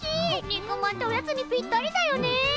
肉まんっておやつにぴったりだよね。